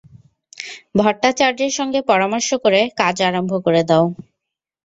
ভট্টাচার্যের সঙ্গে পরামর্শ করে কাজ আরম্ভ করে দাও।